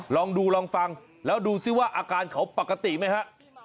ลองดูลองฟังแล้วดูซิว่าอาการเขาปกติไหมฮะ